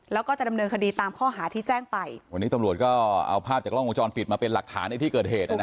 แล้วก็จะดำเนินคดีตามข้อหาที่แจ้งไปวันนี้ตำรวจก็เอาภาพจากกล้องวงจรปิดมาเป็นหลักฐานในที่เกิดเหตุ